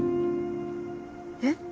えっ？